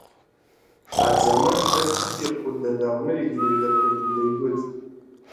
حەجەمەش هەر تفی قووت دەدا و ملی درێژ دەکرد و دەیگوت: